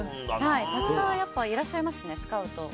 たくさんいらっしゃいますねスカウト。